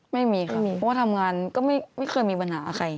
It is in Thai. ไม่มีค่ะมีเพราะว่าทำงานก็ไม่เคยมีปัญหาใคร